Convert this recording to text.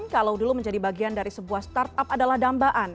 kalau dulu menjadi bagian dari sebuah startup adalah dambaan